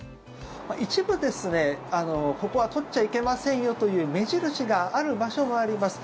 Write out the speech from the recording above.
一部、ここは撮っちゃいけませんよという目印がある場所もあります。